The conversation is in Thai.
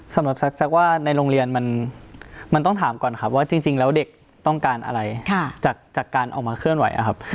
สำหรับแซกว่าในโรงเรียนมันต้องถามก่อนครับว่าจริงแล้วเด็กต้องการอะไรจากการออกมาเคลื่อนไหวครับ